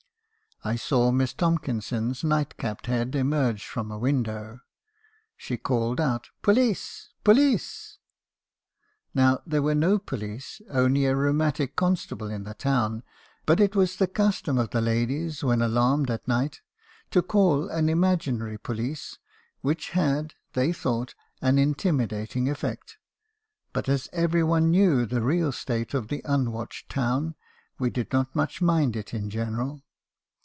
I saw Miss Tomkinson's night capped head emerge from a window. She called out 'Police! police!' "Now there were no police, only a rheumatic constable in the town ; but it was the custom of the ladies , when alarmed at night, to call an imaginary police, which had, they thought, an intimidating effect ; but as every one knew the real state of the unwatched town, we did not much mind it in general.